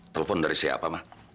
telepon dari siapa ma